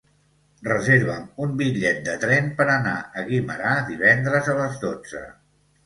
Reserva'm un bitllet de tren per anar a Guimerà divendres a les dotze.